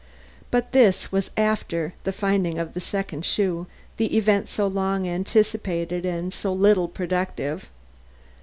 But this was after the finding of the second shoe; the event so long anticipated and so little productive.